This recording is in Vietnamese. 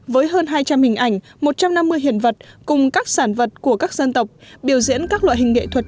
với hơn hai trăm linh hình ảnh một trăm năm mươi hiện vật cùng các sản vật của các dân tộc biểu diễn các loại hình nghệ thuật